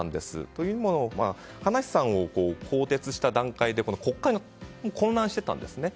というのも葉梨さんを更迭した段階で国会が混乱していたんですね。